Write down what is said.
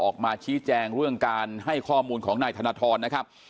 ออกมาชี้แจงเรื่องการให้ข้อมูลของนายธนทรนะครับ